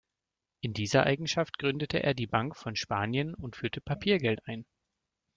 In dieser Eigenschaft gründete er die Bank von Spanien und führte Papiergeld ein.